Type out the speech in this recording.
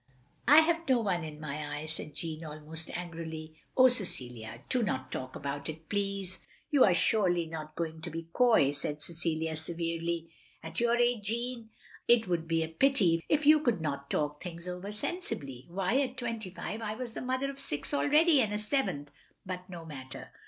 " I have no one in my eye, " said Jeanne, almost angrily. "Oh, Cecilia, do not talk about it, please. " "You are surely not going to be coy!" said Cecilia, severely. " At your age, Jeanne, it would be a pity if you could not talk things over sensibly. Why, at twenty five I was the mother of six already, and a seventh — ^but no matter.